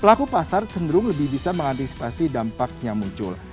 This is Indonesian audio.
pada saat ini pelaku pasar cenderung lebih bisa mengantisipasi dampak yang muncul